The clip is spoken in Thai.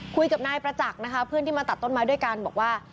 คุยกับนายประจักษ์นะคะเพื่อนที่มาตัดต้นไม้ด้วยกันบอกว่า